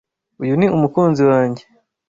Uyu ni umukunzi wanjye